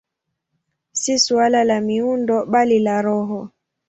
Si suala la miundo, bali la roho.